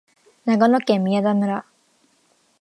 長野県宮田村